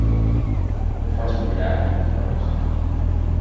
At first we were laughing when we heard it.